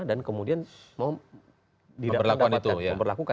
dan kemudian mau diberlakukan